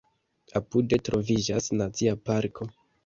Apude troviĝas Nacia parko.